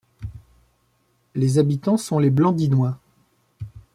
Les habitants sont les Blandinois.